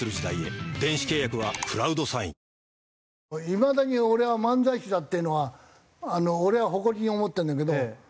いまだに俺は漫才師だっていうのは俺は誇りに思ってるんだけど。